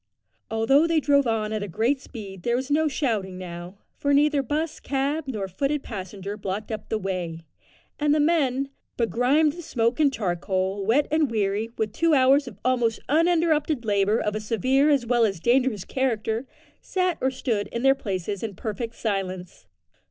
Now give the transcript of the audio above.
Although they drove on at great speed there was no shouting now, for neither 'bus, cab, nor foot passenger blocked up the way, and the men, begrimed with smoke and charcoal, wet, and weary with two hours of almost uninterrupted labour of a severe as well as dangerous character, sat or stood in their places in perfect silence.